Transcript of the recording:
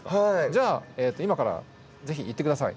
じゃあ今からぜひ行って下さい。